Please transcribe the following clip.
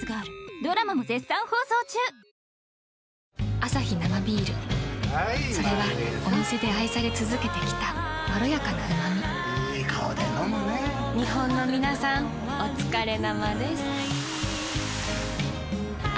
アサヒ生ビールそれはお店で愛され続けてきたいい顔で飲むね日本のみなさんおつかれ生です。